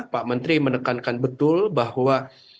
pak menteri menekankan betul bahwa